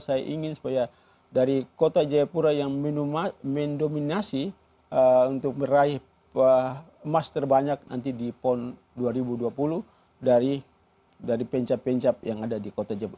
saya ingin supaya dari kota jayapura yang mendominasi untuk meraih emas terbanyak nanti di pon dua ribu dua puluh dari pencap pencap yang ada di kota jabode